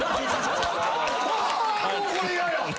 あもうこれ嫌や。